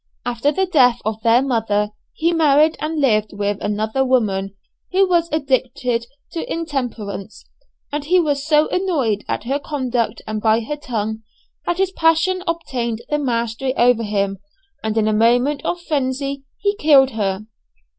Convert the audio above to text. After the death of their mother, he married and lived with another woman, who was addicted to intemperance, and he was so annoyed at her conduct and by her tongue, that his passion obtained the mastery over him, and in a moment of frenzy he killed her.